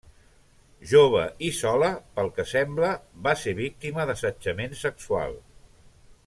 Jove i sola, pel que sembla va ser víctima d'assetjament sexual.